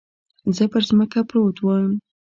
زه پر ځمکه پروت يم.